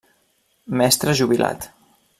Mestre jubilat.